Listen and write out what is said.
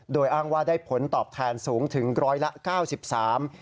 โดยอ้างว่าได้ผลตอบแทนสูงถึง๑๙๓บาท